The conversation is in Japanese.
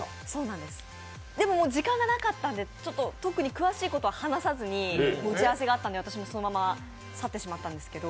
でも、時間がなかったので、特に詳しいことは話さずに打ち合わせがあったんで私もそのまま去ってしまったんですけど。